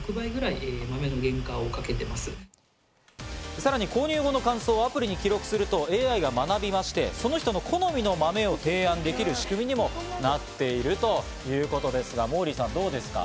さらに購入後の感想をアプリに記録するとＡＩが学びまして、その人の好みの豆を提案できる仕組みにもなっているということですが、モーリーさん、どうですか？